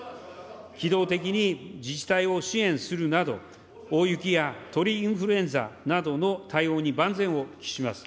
機動的に自治体を支援するなど、大雪や鳥インフルエンザなどの対応に万全を期します。